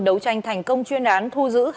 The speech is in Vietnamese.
đấu tranh thành công chuyên án thu giữ